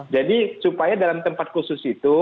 jadi supaya dalam tempat khusus itu